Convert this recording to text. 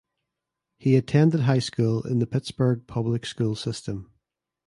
He attended high school in the Pittsburgh Public School system.